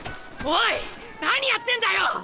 おい何やってんだよ！